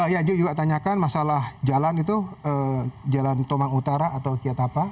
ya dia juga tanyakan masalah jalan itu jalan tomang utara atau kiatapa